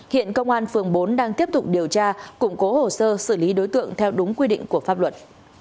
hiện công an phường bốn đang tiếp tục điều tra củng cố hồ sơ xử lý đối tượng theo đúng quy định của pháp luật